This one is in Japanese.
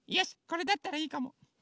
これだったらいいかも。